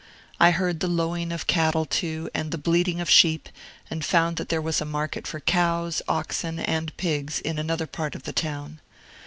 I heard the lowing of cattle, too, and the bleating of sheep, and found that there was a market for cows, oxen, and pigs, in another part of the town.